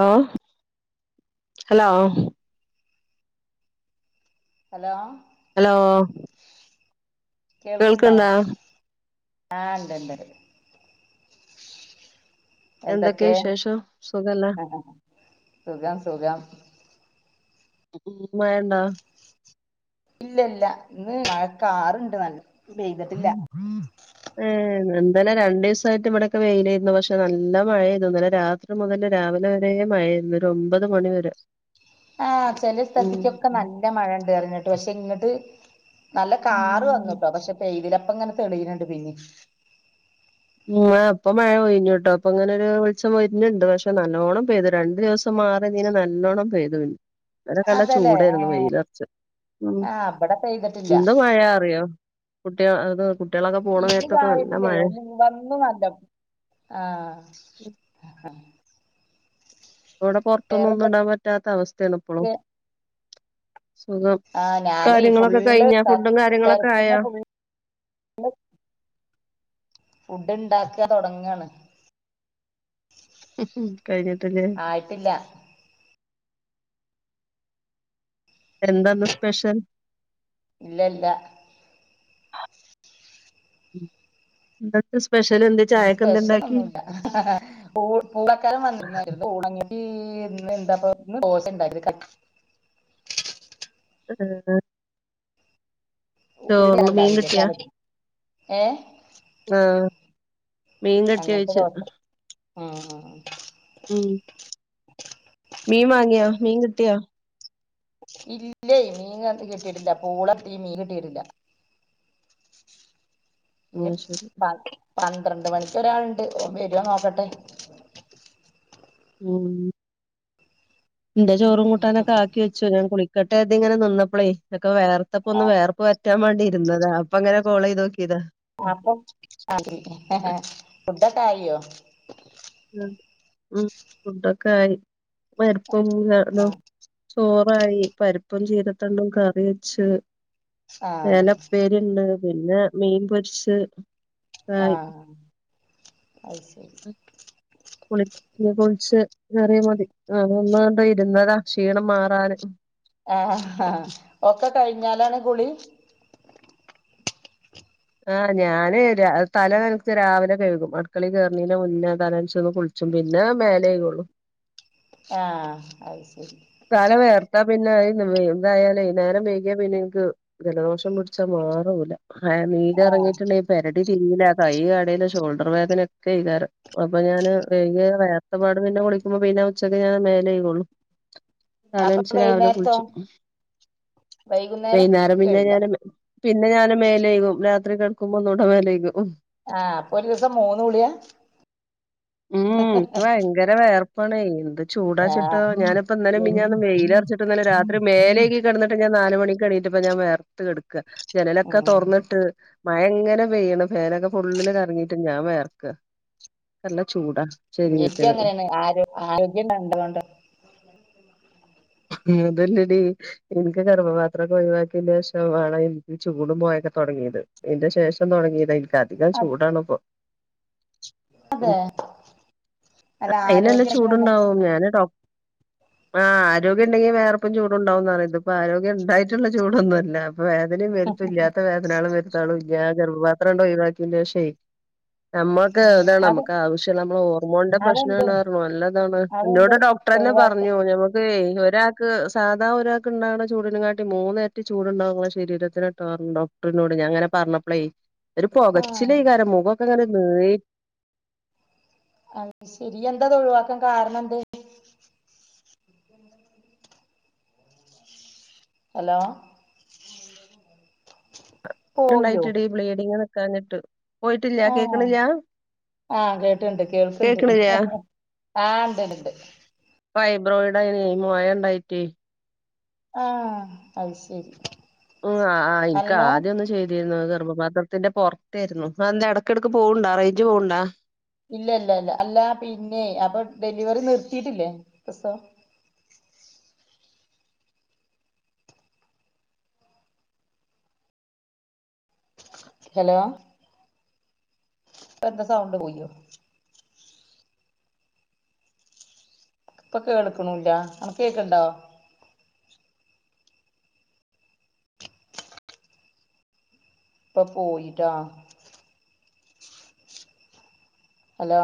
ആഹ് hello? Hello hello.. കേൾക്കുണ്ടോ? കേൾക്കണ്ടാ ആഹ് ഇണ്ടുണ്ട്ണ്ട്. എന്തൊക്കെയ എന്തൊക്കെ? വിശേഷം സുഖല്ലേ ആഹ് സുഖം സുഖം. മയണ്ടോ?. ഇല്ല ഇല്ല ഇന്ന് മഴ കാറുണ്ട് നല്ല പെയ്തിട്ടില്ല. ഏഹ് എന്താലും രണ്ടു ദിവസായിട്ട് ഇവിടൊക്കെ വെയിലായിരുന്നു. പക്ഷെ നല്ല മഴയായിരുന്നു ഇന്നലെ രാ മുതൽ രാവിലെ വരെയും മഴയായിരുന്നു ഒരു ഒമ്പത് മണിവരെ ആഹ് ചെലേ സ്ഥലത്തേക്കൊക്കെ നല്ല മഴ ഉണ്ട് പറഞ്ഞിട്ട് പക്ഷെ ഇങ്ങിട്ട് നല്ല കാറ് വന്നുട്ടോ പക്ഷെ പെയ്തില്ല. അപ്പ ഇങ്ങനെ തെളിയുന്നുണ്ട് പിന്നെം ഉംഅപ്പൊ മഴ പെഴിഞ്ഞു കേട്ടോ. അപ്പൊ അങ്ങനെ ഒരു വെളിച്ചം വരുന്നുണ്ട് പക്ഷെ നല്ലവണം പെയ്തു രണ്ട് ദിവസം മാറിയിങ്ങനെ നല്ലോണം പെയ്തു. അതിന്റെ നല്ല അതല്ലേ ചൂടായിരുന്നു ഏഹ് വെയിലുറച്ച് ഉം ആഹ് ഇബടെ പെയ്തിട്ടില്ല എന്ത് മഴ അറിയാവോ? കുട്ടിക അത് കു കുട്ടികളൊക്കെ പോണ നേരത്തൊക്കെ നല്ല മഴയ ഒന്നും നല്ല ആഹ് ഇവിടെ പുറത്തൊന്നും ഒന്നും ഇടാൻ വേറെന്തൊക്കെ പറ്റാത്ത അവസ്ഥയാണ് ഇപ്പോളും. സുഖം. ആഹ് ഞാനേ കാര്യങ്ങളൊക്കെ ഫുള്ള് കഴിഞ്ഞോ? ഫുഡും കാര്യങ്ങളൊക്കെ ടെറസ്മ്മെ ആയോ? ഫുള്ള് ഫുഡ് ണ്ടാക്കാൻ തുടങ്ങാണ്. ഉം ഹു കഴിഞ്ഞിട്ടില്ലേ? ഇല്ല എന്താ ഇന്ന് സ്പെഷ്യൽ? ഇല്ലില്ല. [inaudible] എന്തെക്കെ സ്പെഷ്യല് ചായക്ക് എന്തുണ്ടാക്കി? ആ ഹ ഹ [unintelligible] [unintelligible] ചോറിന് മീൻ കിട്ടിയാ ഏ ആഹ് മീൻ ആ കിട്ടിയോയിച്ച ആ ഉം മീൻ വാങ്ങിയോ? മീൻ കിട്ടിയോ? ഇല്ലേ മീൻ കാത്ത് കിട്ടിയിട്ടില്ല. പൂളകിട്ടി മീൻ കിട്ടിയിട്ടില്ല. ഇനി ഉം ശരി പന്ത്രണ്ട് മണിക്ക് ഒരാളുണ്ട് ഓൻ വരുവാ നോക്കട്ടെ. ഉം എന്റെ ചോറും കൂട്ടാനൊക്കെ ആക്കി വച്ചു. ഞാൻ കുളിക്കട്ടെ അതിങ്ങനെ നിന്നപ്പളേ അതെക്കെ വേർത്തപ്പൊ ഒന്ന് ആഹ് വേർപ്പ് പറ്റാൻ വേണ്ടി ഇരുന്നതാ. അപ്പൊ ഇങ്ങനെ കോള് ചെയ്ത് നോക്കിയതാ. അപ്പൊ ഫുഡ് ഫുഡൊക്കെ ആയോ? ഉം. ഫുഡൊക്കെ ആയി. പരിപ്പും ആഹ് [unintelligible] ചോറായി, പരിപ്പും ചീരത്തണ്ടു കറി വെച്ച് ആഹ് ചേന ഉപ്പേരിയുണ്ട്. പിന്നെ മീൻ പൊരിച്ച് ആയി ആഹ് അത് ശരി. പുളി ഇനി കുളിച്ച് കയറിയാ മതി. അത് കൊണ്ട് ഇരുന്നതാ ക്ഷീണം മാറാൻ. ആ ഹാ ഒക്കെ കഴിഞ്ഞാലാണ് കുളി? ആഹ് ഞാന് തല നനച്ച് രാവിലെ കഴുകും. അടുക്കളേ കേറുണേന് മുന്നേ തല നെച്ചന്ന് കുളിച്ച ച്ചു പിന്നെ മേലേക്കഴുകുള്ളൂ. ആഹ് അത് ശരി. തല വേർത്താ പിന്നെ ഇതായാലേ നേരം വെയ്കിയ പിന്നെ എനിക്ക് ജലദോഷം പിടിച്ചാൽ മാറൂല. നീര് ആഹ് ഇറങ്ങിയിട്ടുണ്ടെ പരടി തിരിയില്ല, കൈ കടയില്, ഷോൾഡർ വേദനയക്കെആയികരം--വേദനയക്കെആയികരം. അപ്പൊ ഞാന് വെകൃ വേർത്തപ്പാട് പിന്നെ കുളിക്കുമ്പോ പിന്നെ ഉച്ചക്ക് ഞാൻ മേല് കയ്ക്കൊള്ളൂ. അപ്പൊ തലനച്ച് രാവിലെ വൈകുന്നേരത്തോ കുളിച്ചും. വൈകുന്നേരം പിന്നെ ഞൻ പിന്നെ ഞാൻ മേലേകും രാത്രി കടക്കുമ്പോ ഒന്നൂടെ മേലേക്കും. ആഹ് അപ്പൊ ഒരു ദിവസം മൂന്ന് കുളി. ഉം എനിക്ക് ഭയങ്കര വേർപ്പണൊ എന്ത് ചൂടാ ചിട്ടോ ആഹ് ഞാനിപ്പ ഇന്നലെ എനി മിനിഞ്ഞാന്നും വെയിലറിചിട്. രാത്രി മേലേക്കി കിടന്നിട്ട് ഞാൻ നാലുമണിക് എണീ റ്റപ്പ ഞാൻ വേർത്ത് കൊട്ക്ക ജനലൊക്കെ ഉം തുറന്നിട്ട്. മഴ എങ്ങനെ പെയ്യണ് ഫേനൊക്കെ ഫുള്ളില് കറങ്ങിട്ട് ഞാൻ വേയർക്ക. നല്ല ചൂടാ എനിക്ക് ശരീരത്തിന്. അങ്ങനെയാണ് ആരോ ആരോഗ്യം കണ്ട്കൊണ്ട്. മ അതല്ലടി. എനിക്ക് ഗർഭപാത്രമൊക്കെ ഒഴിവാക്കിയന് ശേഷമാണ് എനിക്ക് ചൂട് പോയൊക്കെ തുടങ്ങിയത്. ഇതിന്റെ ശേഷം തുടങ്ങിയത് എനിക്ക് അധികം അത് ചൂടാണ് ഇപ്പം. ആ അല്ല അയിന്ല്ല ആരോഗ്യം നല്ല ചൂടുണ്ടാവും ഞാന്ട ആഹ് ആരോഗ്യം ഉണ്ടെങ്കിൽ വേറെപ്പം ചൂടുണ്ടാവും ന്ന്റിയ. ഇപ്പൊ ആരോഗ്യം ഉണ്ടായിട്ടുള്ള ചൂടൊന്നുംല്ല. വേദനയും വരുത്തും ഇല്ലാത്ത വേദന ആളും വരുത്താളും ഇല്ല ഗർഭപാത്രം ഉണ്ടോ ഒഴിവാക്കിം ൻ്റ ക്ഷെ നമ്മക്ക് ഇതാണ് അത് നമ്മുക്ക് ആവശ്യംല്ല നമ്മൾ ഹോർമോണിന്റെ അതെന്ത് പ്രശ്നംണ് നല്ലതാണ്. എന്റെോട് അതെന്ത് ഡോക്ടന്നെ ഒഴിവാക്ക പറഞ്ഞു ഞമുക്ക് ഒരാൾക്ക് സാധാണ ഒരാൾക്ക് ഉണ്ടാവുന്ന ചൂടിന കാട്ടി മൂന്നരറ്റി ചൂടുണ്ടാവെ ശരീരത്തിന് [unintelligible] [unintelligible] ഞാൻങ്ങന പറഞ്ഞപ്പളെ ഒരു ആഹ് പൊച്ചില ഈ കാരം മുഖൊക്കെ അങ്ങനെ നീറി അഹ് ശരി എന്താ ഒഴിവാക്കാൻ കാരണം എന്ത് ഹലോ പോയോ ണ്ടായിട്ടിടി ബ്ലീഡിങ് നിക്കാഞ്ഞിട്ട് പോയിട്ടില്ല ആഹ് കേൾക്കണില്ല ആഹ് കേട്ടിട്ടണ്ട് കേൾക്കുണ്ട് ആഹ് ഉണ്ട്ണ്ട് ഫൈബ്രോയിഡ് അയിന മോയ ഉണ്ടായിറ്റേ ആഹ് അത് ശരി ഉം ആഹ് എനക്ക് അല്ല ആദ്യം ഒന്നന്ന് ചെയ്തിരുന്നു ഗർഭപാത്രം ത്തിന്റെ പുറത്തായിരുന്നു ആഹ് എന്താ ഇടക്കിടക്ക് പോകണ്ട റേഞ്ച് പോകണ്ടാ ഇല്ല ഇല്ല ഇല്ല അല്ല പിന്നെ അപ്പൊ ഡെലിവറി നിർത്തിയിട്ടില്ലേസം ഹലോ അപ്പൊ എന്താ സൗണ്ട് പോയോ ഇപ്പൊക്കെ കേൾക്കണൂല്ല അനക്ക് കേക്കണ്ടോ ഇപ്പൊ പോയിട്ടാ ഹലോ